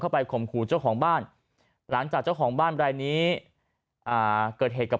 เข้าไปข่มครูเจ้าของบ้านหลังจากเจ้าของบ้านใดนี้เกิดเหตุกับ